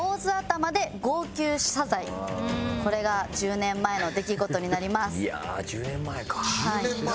これが１０年前の出来事になります。